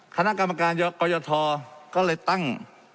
คณะกรรมการกรยทก็เลยตั้ง